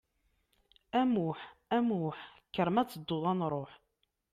A Muĥ, a Muḥ, kker ma tedduḍ ad nruḥ.